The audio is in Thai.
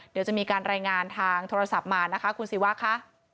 เดี๋ยวจะมีการรายงานทางโทรศัพท์มานะคะคุณศิวะค่ะ